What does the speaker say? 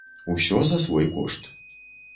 Усё за свой кошт.